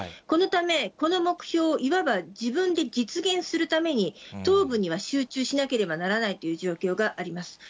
このため、この目標をいわば自分で実現するために、東部には集中しなければならないという状況があります。